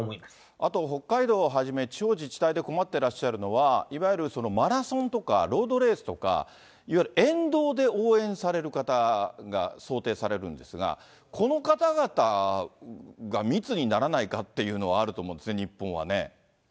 あと北海道をはじめ、地方自治体で困ってらっしゃるのは、いわゆるマラソンとか、ロードレースとか、いわゆる沿道で応援される方が想定されるんですが、この方々が密にならないかっていうのは、あると思うんですね、日本はね。